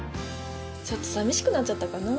ちょっと寂しくなっちゃったかな？